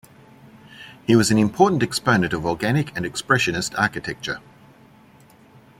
He was an important exponent of organic and expressionist architecture.